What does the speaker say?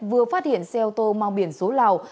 vừa phát hiện xe ô tô mang biển số lào